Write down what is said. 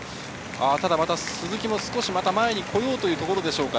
ただ、また鈴木も少し前に来ようというところでしょうか。